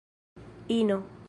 ino